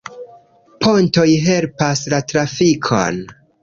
Pontoj helpas la trafikon.